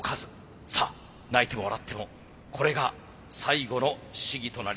さあ泣いても笑ってもこれが最後の試技となります。